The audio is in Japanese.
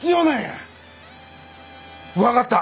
わかった！